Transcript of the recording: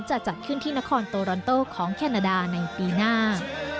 จะจัดขึ้นที่นครโตรอนโตของแคนาดาในปีหน้า